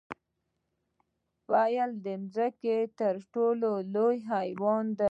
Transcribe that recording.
پیل د ځمکې تر ټولو لوی حیوان دی